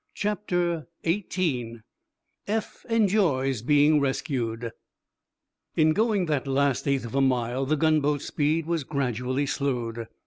CHAPTER XVIII EPH ENJOYS BEING RESCUED In going that last eighth of a mile the gunboat's speed was gradually slowed.